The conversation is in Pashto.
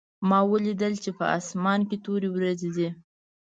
ما ولیدل چې په اسمان کې تورې وریځې دي